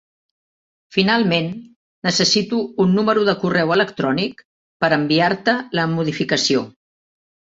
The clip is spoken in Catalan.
Finalment, necessito un número de correu electrònic, per enviar-te la modificació.